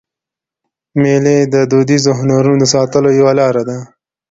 مېلې د دودیزو هنرونو د ساتلو یوه لاره ده.